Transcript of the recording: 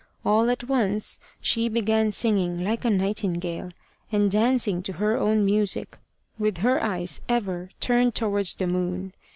All at once she began singing like a nightingale, and dancing to her own music, with her eyes ever turned towards the moon.